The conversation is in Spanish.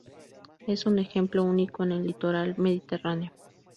Es un ejemplo único en el litoral mediterráneo.